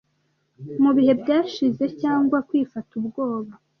Mubihe byashize, cyangwa kwifata ubwoba